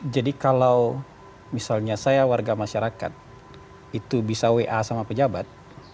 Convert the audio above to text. jadi kalau misalnya saya warga masyarakat itu bisa wa sama pejabat